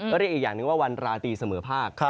ก็เรียกอีกอย่างหนึ่งว่าวันราตรีเสมอภาค